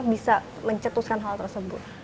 bisa mencetuskan hal tersebut